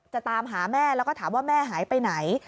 ตามหาแม่แล้วก็ถามว่าแม่หายไปไหน